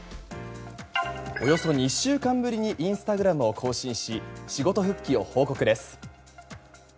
およそ２週間ぶりにインスタグラムを更新し仕事復帰を報告です。